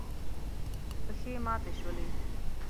پښې ماتې شولې.